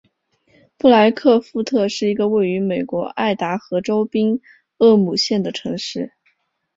布莱克富特是一个位于美国爱达荷州宾厄姆县的城市。